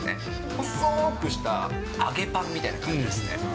細くした揚げパンみたいな感じですね。